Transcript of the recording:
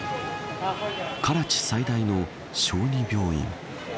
カラチ最大の小児病院。